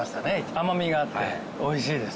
甘みがあって美味しいです。